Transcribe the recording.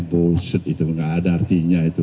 boset tidak ada artinya